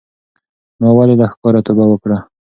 ما ولې له ښکاره توبه وکړه